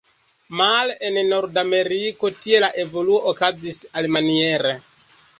Male en Nordameriko, tie la evoluo okazis alimaniere.